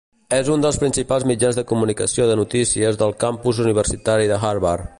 És un dels principals mitjans de comunicació de notícies del campus universitari de Harvard.